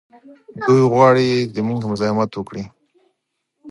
دوی غواړي زموږ مزاحمت وکړي.